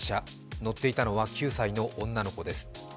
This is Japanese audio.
乗っていたのは９歳の女の子です。